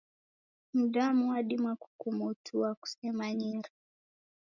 Mdamu wadima kukumotua kusemanyire.